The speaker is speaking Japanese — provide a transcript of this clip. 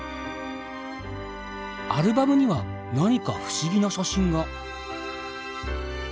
アルバムには何か不思議な写真が。